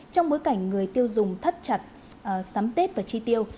trong bối cảnh người tiêu dùng thắt chặt sắm tết và chi tiêu